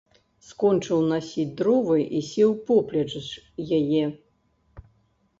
Скончыў насіць дровы і сеў поплеч яе.